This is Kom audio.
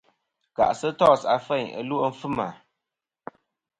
Kà'sɨ tos afeyn ɨlwe' fɨma.